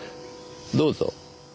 どうぞ。